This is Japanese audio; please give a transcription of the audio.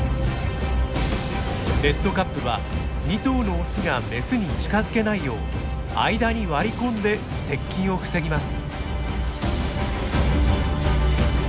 レッドカップは２頭のオスがメスに近づけないよう間に割り込んで接近を防ぎます。